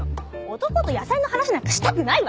男と野菜の話なんかしたくないわけ！